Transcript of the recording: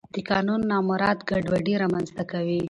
د قانون نه مراعت ګډوډي رامنځته کوي